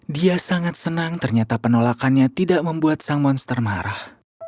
dia sangat senang ternyata penolakannya tidak membuat sang monster marah